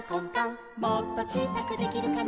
「もっとちいさくできるかな」